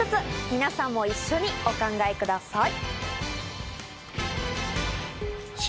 皆さんも一緒にお考えください。